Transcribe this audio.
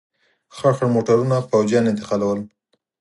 خړ خړ موټرونه پوځیان انتقالول.